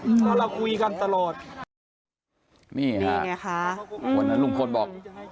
อืมแล้วเราคุยกันตลอดนี่ค่ะอืมวันนั้นลุงคนบอก